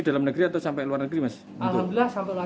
dalam negeri atau sampai luar negeri mas alhamdulillah